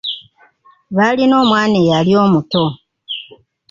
Baalina omwana eyali omuto.